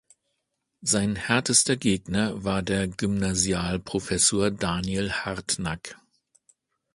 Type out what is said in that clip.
Sein härtester Gegner war der Gymnasialprofessor Daniel Hartnack.